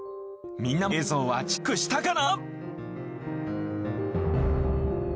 みんなも最新映像はチェックしたかな？